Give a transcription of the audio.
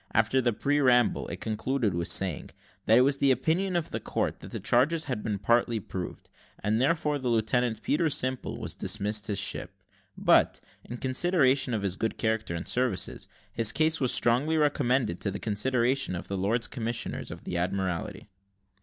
After the preamble, it concluded with saying; "that it was the opinion of that court that the charges had been partly proved, and therefore, that Lieutenant Peter Simple was dismissed his ship; but, in consideration of his good character and services, his case was strongly recommended to the consideration of the Lords Commissioners of the Admiralty."